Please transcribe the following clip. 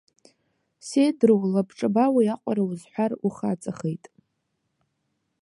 Сеидроу, лабҿаба уиаҟара узҳәар ухаҵахеит.